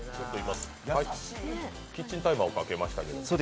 キッチンタイマーをかけましたけど。